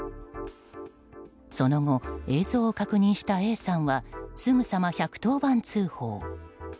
その後、映像を確認したＡさんはすぐさま１１０番通報。